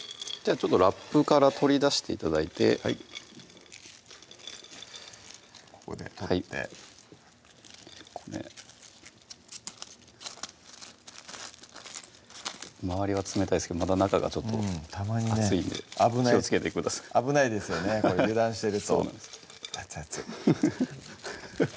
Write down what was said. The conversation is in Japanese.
ラップから取り出して頂いてはいここで取って周りは冷たいですけどまだ中がちょっと熱いんで気をつけてください危ないですよね油断してると熱い熱いフフフフッ